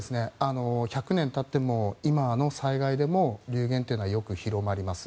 １００年経っても今の災害でも流言というのはよく広がります。